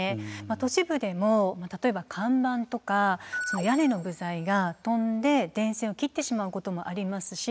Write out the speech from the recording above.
都市部でも例えば看板とか屋根の部材が飛んで電線を切ってしまうこともありますし。